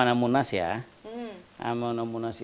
kita ada amanah munas ya